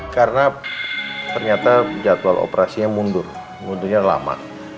karena ternyata jadwal operasinya mundur mundurnya lama